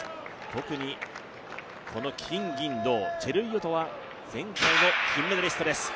特にこの金・銀・銅、チェルイヨトは前回も金メダリストです。